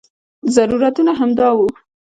ضرورتونه همدا وو.